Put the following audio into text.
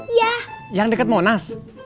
iya yang deket monas